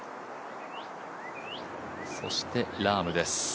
そしてラームです。